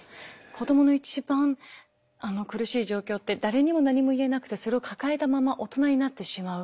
子どもの一番苦しい状況って誰にも何も言えなくてそれを抱えたまま大人になってしまう。